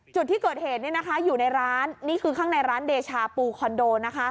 จุดที่เกิดเหตุเนี่ยนะคะอยู่ในร้านนี่คือข้างในร้านเดชาปูคอนโดนะคะ